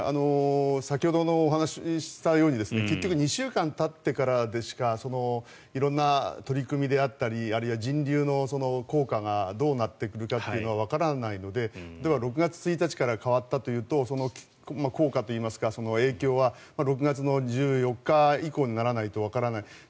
先ほどお話したように結局２週間たってからでしか色んな取り組みであったりあるいは人流の効果がどうなってくるかというのがわからないので６月１日から変わったというと効果といいますかその影響は６月１４日以降にならないと、わからない。